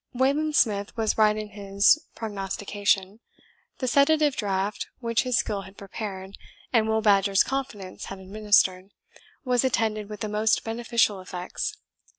Wayland Smith was right in his prognostication. The sedative draught which his skill had prepared, and Will Badger's confidence had administered, was attended with the most beneficial effects.